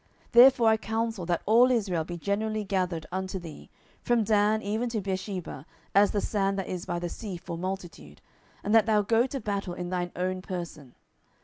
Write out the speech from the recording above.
10:017:011 Therefore I counsel that all Israel be generally gathered unto thee, from Dan even to Beersheba, as the sand that is by the sea for multitude; and that thou go to battle in thine own person.